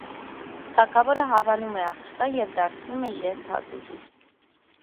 Թագավորը հավանում է աղջկան և դարձնում է իրեն թագուհի։